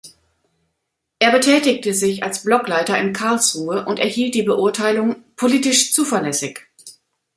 Er betätigte sich als Blockleiter in Karlsruhe und erhielt die Beurteilung "politisch zuverlässig".